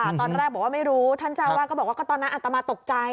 ตอนแรกบอกว่าไม่รู้ท่านเจ้าวาดก็บอกว่าก็ตอนนั้นอัตมาตกใจ